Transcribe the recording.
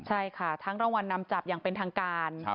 ใช่ค่ะทั้งรางวัลนำจับอย่างเป็นทางการ